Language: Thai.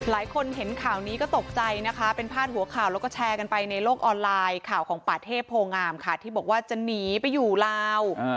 หลายคนเห็นข่าวนี้ก็ตกใจนะคะเป็นพาดหัวข่าวแล้วก็แชร์กันไปในโลกออนไลน์ข่าวของป่าเทพโพงามค่ะที่บอกว่าจะหนีไปอยู่ลาว